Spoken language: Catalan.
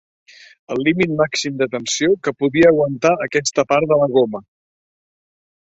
El límit màxim de tensió que podia aguantar aquesta part de la goma.